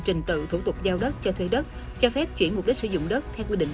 trình tự thủ tục giao đất cho thuê đất cho phép chuyển mục đích sử dụng đất theo quy định